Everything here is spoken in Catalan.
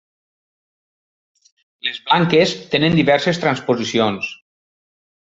Les blanques tenen diverses transposicions.